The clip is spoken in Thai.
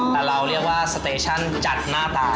แต่เราเรียกว่าสเตชั่นจัดหน้าตา